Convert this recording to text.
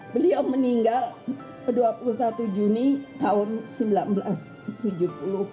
beliau meninggal dua puluh satu juni tahun seribu sembilan ratus tujuh puluh